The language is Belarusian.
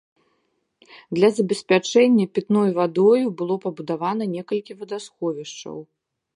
Для забеспячэння пітной вадою было пабудавана некалькі вадасховішчаў.